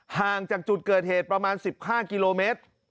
ห่างจากจุดเกิดเหตุประมาณ๑๕กิโลเมตร